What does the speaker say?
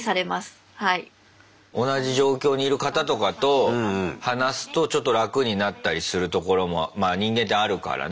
同じ状況にいる方とかと話すとちょっと楽になったりするところもまあ人間ってあるからね。